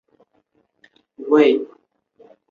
也是巴西利亚总教区荣休总主教。